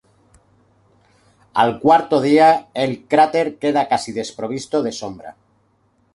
Al cuarto día, el cráter queda casi desprovisto de sombra.